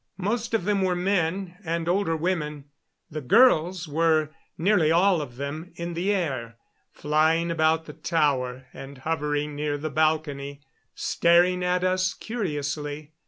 Most of them were men and older women. The girls were, nearly all of them, in the air, flying about the tower and hovering near the balcony, staring at us curiously.